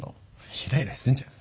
イライラしてんじゃん？